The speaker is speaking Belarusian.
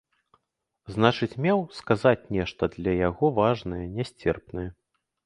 Значыць, меў сказаць нешта для яго важнае, нясцерпнае.